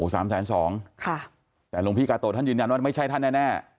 โอ้๓๒๐๐๐๐บาทค่ะแต่หลวงพี่กาโตท่านยืนยันว่าไม่ใช่ท่านแน่